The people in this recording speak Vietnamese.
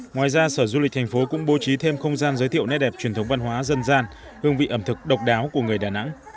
ngoài ra sở du lịch thành phố cũng bố trí thêm không gian giới thiệu nét đẹp truyền thống văn hóa dân gian hương vị ẩm thực độc đáo của người đà nẵng